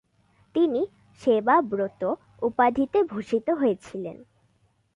তিনি 'সেবাব্রত' উপাধিতে ভূষিত হয়েছিলেন।